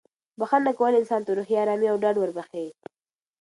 بښنه کول انسان ته روحي ارامي او ډاډ وربښي.